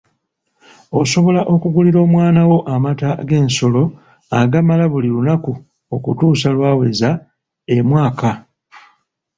Osobola okugulira omwana wo amata g'ensolo agamala buli lunaku okutuusa lw'aweza emwaka.